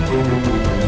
li bangun li